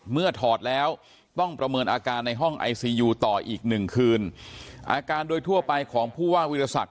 ถอดแล้วต้องประเมินอาการในห้องไอซียูต่ออีกหนึ่งคืนอาการโดยทั่วไปของผู้ว่าวิทยาศักดิ